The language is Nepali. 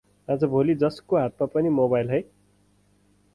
अाजभोलि जसको हातमा पनि मोबाइल है?